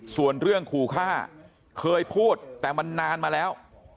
ส่วนเรื่องขู่ฆ่าเคยพูดแต่มันนานมาแล้ว